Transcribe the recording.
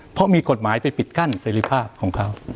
เพราะมีกฎหมายไปปิดกั้นเสรีภาพของเขา